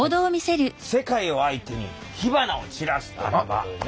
「世界を相手に火花を散らす」ということでね。